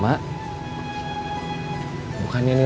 mas aku kayaknya mau kolamannya ke dia